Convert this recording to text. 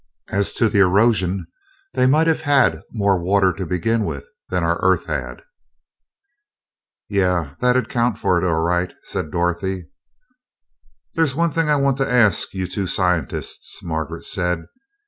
As to the erosion, they might have had more water to begin with than our Earth had." "Yeah, that'd account for it, all right," said Dorothy. "There's one thing I want to ask you two scientists," Margaret said.